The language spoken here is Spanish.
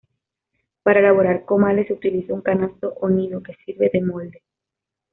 Para elaborar comales se utiliza un canasto o "nido", que sirve de molde.